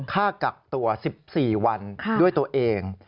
ค่ากักตัว๑๔วันด้วยตัวเอง